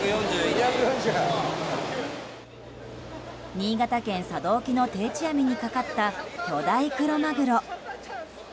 新潟県佐渡沖の定置網にかかった巨大クロマグロ。